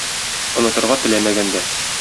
Онытырга теләмәгән дә